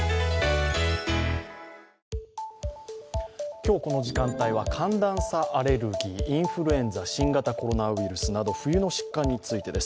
今日この時間帯は寒暖差アレルギー、インフルエンザ、新型コロナウイルスなど冬の疾患についてです。